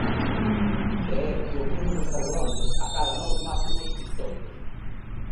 E é que o prezo dos carburantes acada novos máximos históricos.